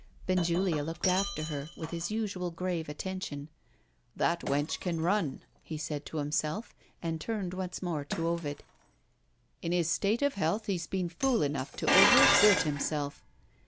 Benjulia looked after her, with his usual grave attention. "That wench can run," he said to himself, and turned once more to Ovid. "In his state of health, he's been fool enough to over exert himself."